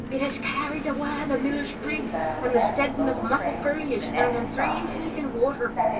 It has carried awa the miller's brig, and the steading o' Muckle Pidey is standing three feet in water."